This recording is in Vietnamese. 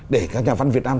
để các nhà văn việt nam